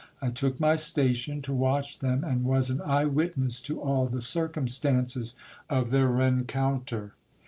I took my station to watch them ; and was an eye witness to all the circumstances of their rencounter.